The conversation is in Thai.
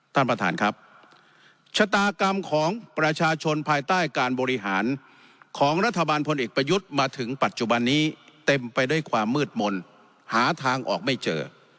ท่านประธานครับชะตากรรมของประชาชนภายใต้การบริหารของรัฐบาลพลเอกประยุทธ์มาถึงปัจจุบันนี้เต็มไปด้วยความมืดมนต์หาทางออกไม่เจอ